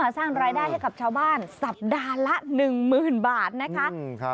สร้างรายได้ให้กับชาวบ้านสัปดาห์ละ๑๐๐๐บาทนะคะ